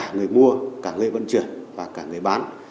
người mua cả người vận chuyển và cả người bán